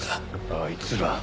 あいつら。